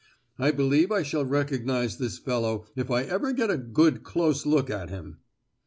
I believe I shall recognise this fellow if I ever get a good close look at him!"